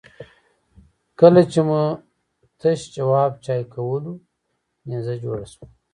کله چې مو تش جواب چای کولو نيزه جوړه شوه.